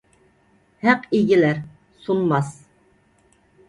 ھەق ئېگىلەر، سۇنماس!